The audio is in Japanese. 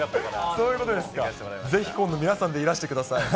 そういうことですか、ぜひ今度、皆さんでいらしてください。